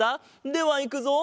ではいくぞ。